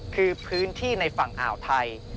คือพื้นที่ในฝั่งอ่าวไทย